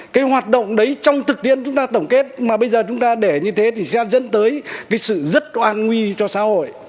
cái hoạt động đấy trong thực tiễn chúng ta tổng kết mà bây giờ chúng ta để như thế thì sẽ dẫn tới cái sự rất oan nguy cho xã hội